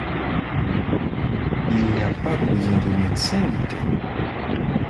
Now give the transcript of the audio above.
Il n’y a pas besoin de médecin, dit-elle.